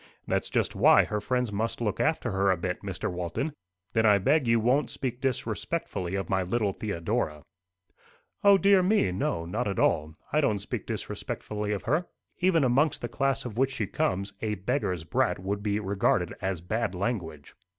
That's just why her friends must look after her a bit, Mr. Walton." "Then I beg you won't speak disrespectfully of my little Theodora." "O dear me! no. Not at all. I don't speak disrespectfully of her." "Even amongst the class of which she comes, 'a beggar's brat' would be regarded as bad language."